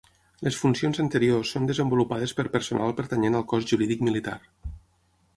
Les funcions anteriors són desenvolupades per personal pertanyent al Cos Jurídic Militar.